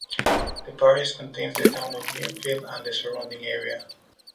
The parish contains the town of Mirfield and the surrounding area.